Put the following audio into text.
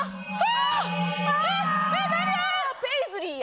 ペイズリーや。